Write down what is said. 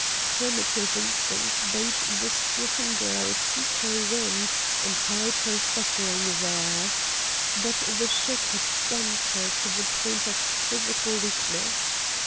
Primitive instinct bade the stricken girl seek her room and hide her suffering there; but the shock had stunned her to the point of physical weakness.